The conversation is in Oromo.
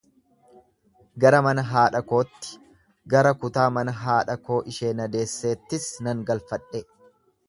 gara mana haadha kootti, gara kutaa mana haadha koo ishee na deesseettis nan galfadhe.